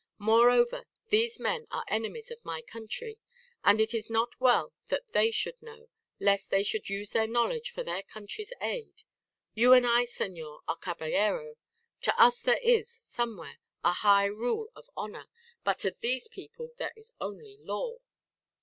Moreover, these men are enemies of my country; and it is not well that they should know, lest they should use their knowledge for their country's aid. You and I, Senor, are caballero. To us there is, somewhere, a high rule of honour; but to these people there is only law!"